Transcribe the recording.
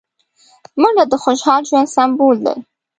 منډه د خوشحال ژوند سمبول دی